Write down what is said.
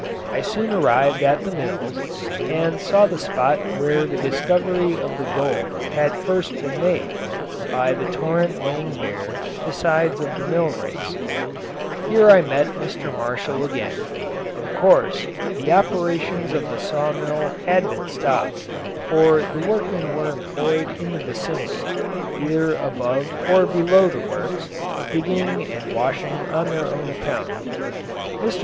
I soon arrived at the mills, and saw the spot where the discovery of the gold had first been made, by the torrent laying bare the sides of the mill race. Here I met Mr. Marshall again. Of course the operations of the saw mill had been stopped, for the workmen were employed in the vicinity, either above or below the works, digging and washing on their own account. Mr.